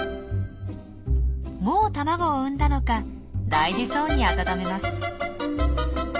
もう卵を産んだのか大事そうに温めます。